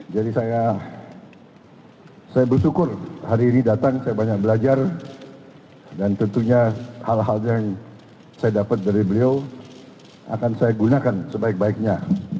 jadi saya bersyukur hari ini datang saya banyak belajar dan tentunya hal hal yang saya dapat dari beliau akan saya gunakan sebaik baiknya